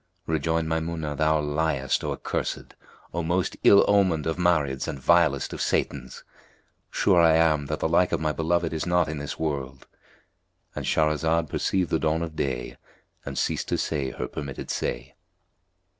Rejoined Maymunah, "Thou liest, O accursed, O most ill omened of Marids and vilest of Satans![FN#250] Sure am I that the like of my beloved is not in this world."—And Shahrazad perceived the dawn of day and ceased to say her permitted say.